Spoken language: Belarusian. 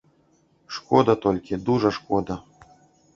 Шкода толькі, дужа шкода.